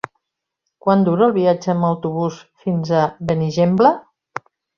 Quant dura el viatge en autobús fins a Benigembla?